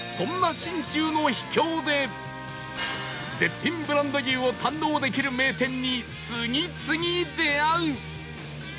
そんな絶品ブランド牛を堪能できる名店に次々出会う